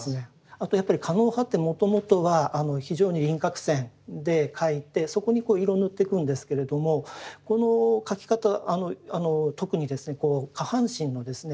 あとやっぱり狩野派ってもともとは非常に輪郭線で描いてそこに色塗ってくんですけれどもこの描き方特にですね下半身のですね